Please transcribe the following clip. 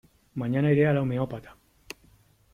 Mañana iré al homeópata.